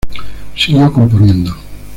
Siguió componiendo.